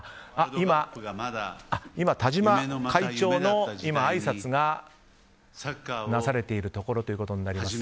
今、田嶋会長のあいさつがなされているところとなります。